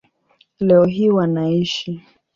Leo hii wanaishi